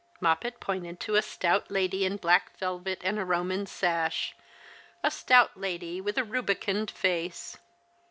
Moppet pointed to a stout lady in black velvet and a Koman sash — a stout lady with a rubicund face.